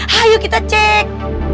hayuk kita cek